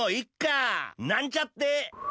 なんちゃって！